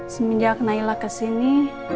semenjak naila kesini